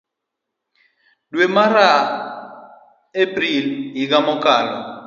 dwe mar April higa mokalo.